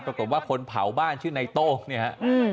ปรากฏว่าคนเผาบ้านชื่อในโต้เนี่ยฮะ